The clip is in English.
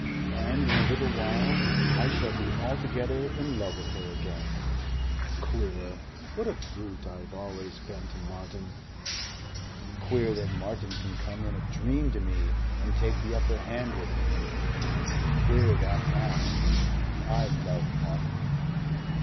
And in a little while I shall be altogether in love with her again. "Queer what a brute I've always been to Martin." "Queer that Martin can come in a dream to me and take the upper hand with me. "Queer that NOW I love Martin."